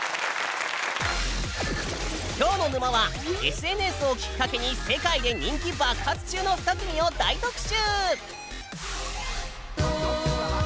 ＳＮＳをきっかけに世界で人気爆発中の２組を大特集！